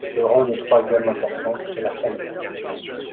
Le rang de troisième importance est la famille.